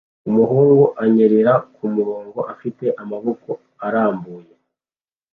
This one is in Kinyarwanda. Umuhungu anyerera kumurongo afite amaboko arambuye